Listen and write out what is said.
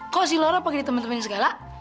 kok si laura pake ditemen temenin segala